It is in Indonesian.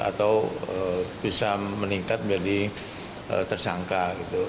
atau bisa meningkat menjadi tersangka gitu